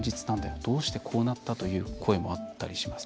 どうしてこうなった？という声もあったりします。